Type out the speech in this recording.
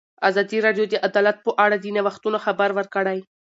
ازادي راډیو د عدالت په اړه د نوښتونو خبر ورکړی.